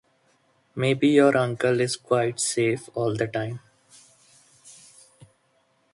Maybe your uncle is quite safe all the time.